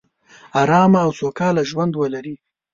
ارامه او سوکاله ژوندولري